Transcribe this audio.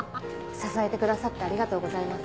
支えてくださってありがとうございます。